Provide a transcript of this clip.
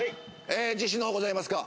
自信の方ございますか？